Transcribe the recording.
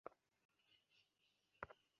তিনি সিরিয়ায় ফিরে আসেন।